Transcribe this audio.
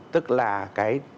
tức là cái